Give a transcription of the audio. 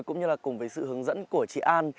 cũng như là cùng với sự hướng dẫn của chị an